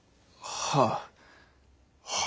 はあ？